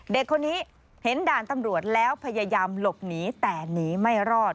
เด็กคนนี้เห็นด่านตำรวจแล้วพยายามหลบหนีแต่หนีไม่รอด